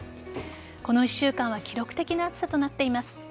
この１週間は記録的な暑さとなっています。